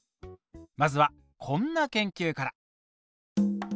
まずはこんな研究から。